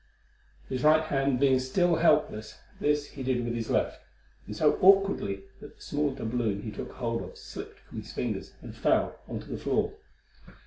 His right hand being still helpless, this he did with his left, and so awkwardly that the small doubloon he took hold of slipped from his fingers and fell on to the floor.